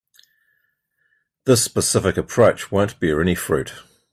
This specific approach won't bear any fruit.